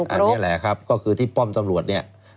อันนี้แหละก็คือที่ป้อมตำรวจ